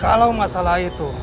kalau masalah itu